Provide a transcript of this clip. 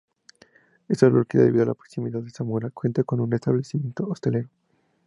Esta localidad, debido a la proximidad de Zamora, cuenta con un establecimiento hostelero.